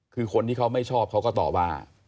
คือคนที่เขาไม่ชอบเขาก็ตอบว่า